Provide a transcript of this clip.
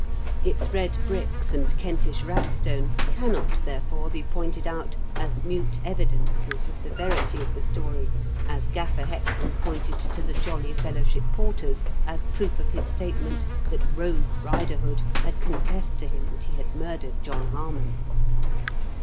Its red bricks and Kentish ragstone cannot, therefore, be pointed out as mute evidences of the verity of the story, as Gaiffer Hexam pointed to The Jolly Fellowship Porters as proof of his statement that Kogue Riderhood had confessed to him that he had murdered John Harmon.